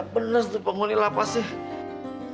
makhluk banyak bener setelah penghuni lapasnya